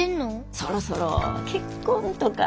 そろそろ結婚とか。